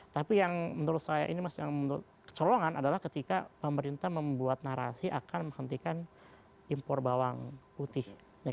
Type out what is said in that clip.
tapi yang menurut saya ini mas yang menurut kecolongan adalah ketika pemerintah membuat narasi akan menghentikan impor bawang putih